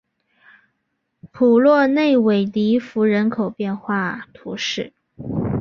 普洛内韦迪福人口变化图示